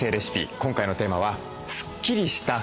今回のテーマは「スッキリした暮らし」です。